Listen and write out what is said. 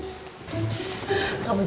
terima kasih semuanya